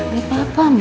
gak apa apa mak